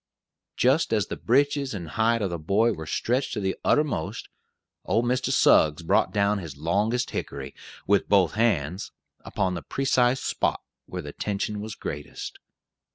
Just as the breeches and hide of the boy were stretched to the uttermost, old Mr. Suggs brought down his longest hickory, with both hands, upon the precise spot where the tension was greatest.